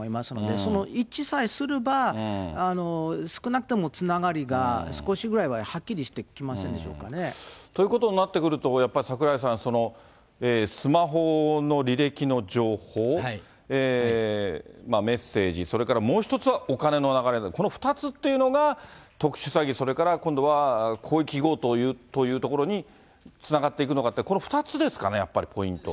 その一致さえすれば、少なくともつながりが少しぐらいははっきりしてきませんでしょうということになってくると、やっぱり櫻井さん、スマホの履歴の情報、メッセージ、それからもう１つはお金の流れ、この２つというのが、特殊詐欺、それから今度は広域強盗というところにつながっていくのかって、この２つですかね、やっぱりポイントは。